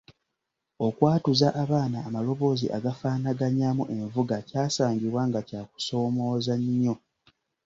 Okwatuza abaana amaloboozi agafaanaganyaamu envuga kyasangibwa nga kya kusoomooza nnyo.